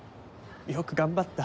よく頑張った。